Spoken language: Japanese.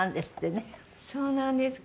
そうなんです。